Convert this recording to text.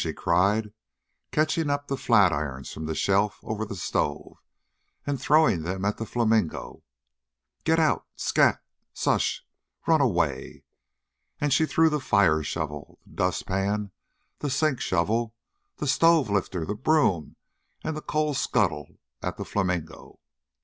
she cried, catching up the flatirons from the shelf over the stove and throwing them at the flamingo. "Get out! Scat! Sush! Run away!" And she threw the fire shovel, the dustpan, the sink shovel, the stove lifter, the broom and the coal scuttle at the flamingo.